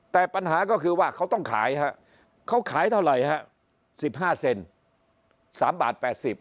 แต่ปัญหาก็คือว่าเขาต้องขายฮะเขาขายเท่าไหร่ฮะ๑๕เซน๓บาท๘๐บาท